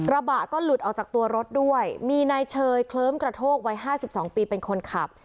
ระบะก็หลุดออกจากตัวรถด้วยมีนายเชยเคลิ้มกระโทกวัย๕๒ปีเป็นคนขับ